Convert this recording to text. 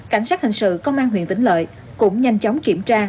cảnh sát hình sự công an huyện vĩnh lợi cũng nhanh chóng kiểm tra